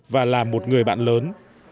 và là một người bạn lớn